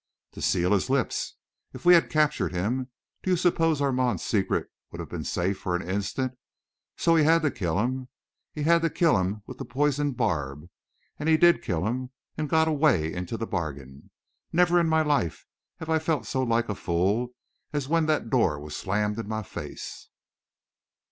"To seal his lips. If we had captured him, do you suppose Armand's secret would have been safe for an instant? So he had to kill him he had to kill him with the poisoned barb and he did kill him, and got away into the bargain! Never in my life have I felt so like a fool as when that door was slammed in my face!"